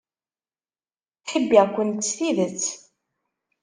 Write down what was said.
Ttḥibbiɣ-kent s tidet.